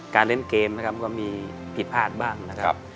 การเล่นเกมก็มีผิดพลาดบ้างนะครับ